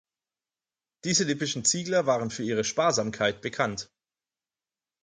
Diese lippischen Ziegler waren für ihre Sparsamkeit bekannt.